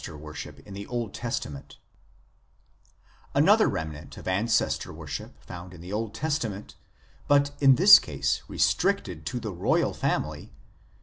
A FURTHER REMNANT OF ANCESTOR WORSHIP IN THE OLD TESTAMENT Another remnant of Ancestor worship found in the Old Testament, but in this case restricted to the royal family 1 Op.